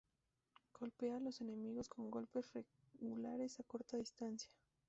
Golpea a los enemigos con golpes regulares a corta distancia.